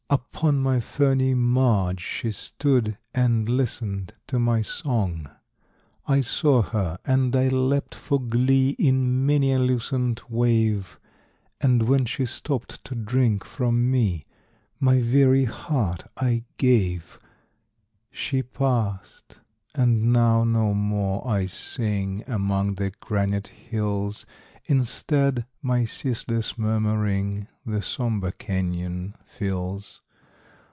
Upon my ferny marge she stood And listened to my song. I saw her, and I leapt for glee In many a lucent wave, And when she stooped to drink from me, My very heart I gave. She passed, and now no more I sing Among the granite hills; Instead, my ceaseless murmuring The sombre canyon fills.